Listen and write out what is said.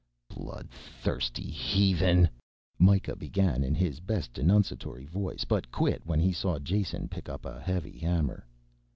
"Bloodthirsty heathen...." Mikah began in his best denunciatory voice, but quit when he saw Jason pick up a heavy hammer.